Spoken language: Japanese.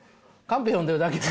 カンペ読んでるだけ。